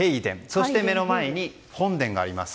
そして、目の前に本殿があります。